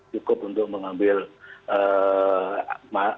cukup untuk mengambil air yang